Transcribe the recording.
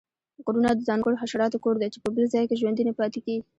غرونه د ځانګړو حشراتو کور دی چې په بل ځاې کې ژوندي نه پاتیږي